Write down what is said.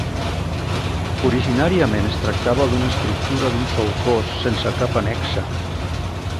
Originàriament es tractava d'una estructura d'un sol cos sense cap annexa.